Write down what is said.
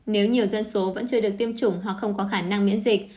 nếu nhiều dân số vẫn chưa được tiêm chủng hoặc không có khả năng miễn dịch